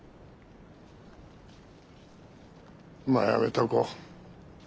まあやめとこう。